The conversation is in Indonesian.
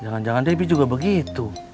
jangan jangan debbie juga begitu